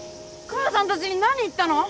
母さんたちに何言ったの？